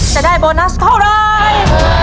จะได้โบนัสเท่าไร